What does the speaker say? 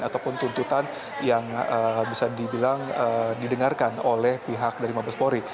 ataupun tuntutan yang bisa dibilang didengarkan oleh pihak dari mabespori